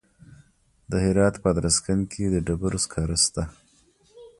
د هرات په ادرسکن کې د ډبرو سکاره شته.